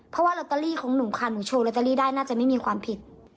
เพราะว่าลอตเตอรี่ของหนูค่ะหนูโชว์ลอตเตอรี่ได้น่าจะไม่มีความผิด